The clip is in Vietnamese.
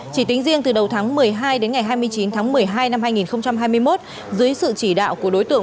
chỉ tính riêng từ đầu tháng một mươi hai đến ngày hai mươi chín tháng một mươi hai năm hai nghìn hai mươi một dưới sự chỉ đạo của đối tượng